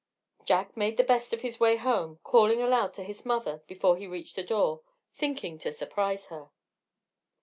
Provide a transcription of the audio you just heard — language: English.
Jack made the best of his way home, calling aloud to his mother before he reached the door, thinking to surprise her.